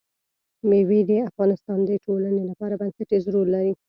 مېوې د افغانستان د ټولنې لپاره بنسټيز رول لري.